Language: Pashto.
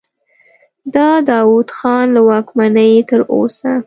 د داود خان له واکمنۍ تر اوسه.